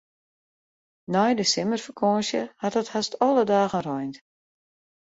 Nei de simmerfakânsje hat it hast alle dagen reind.